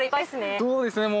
そうです。